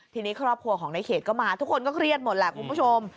ทีนี้ครอบครัวของในเขตก็มาทุกคนก็เครียดหมดแหละคุณผู้ชม